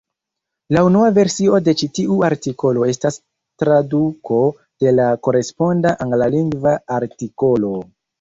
La unua versio de ĉi tiu artikolo estas traduko de la koresponda Anglalingva artikolo.